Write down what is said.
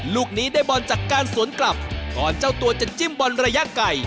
ลูกนี้ได้บอลจากการสวนกลับก่อนเจ้าตัวจะจิ้มบอลระยะไกล